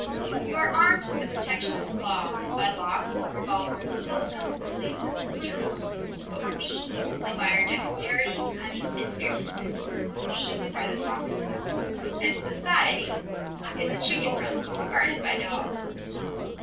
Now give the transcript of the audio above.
You are armed with the protection of the law, by locks, revolvers, telephones, police and soldiery; but we only by our own dexterity, cunning and fearlessness. We are the foxes, and society is a chicken run guarded by dogs.